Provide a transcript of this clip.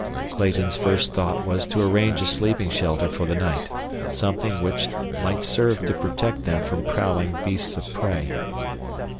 Clayton's first thought was to arrange a sleeping shelter for the night; something which might serve to protect them from prowling beasts of prey.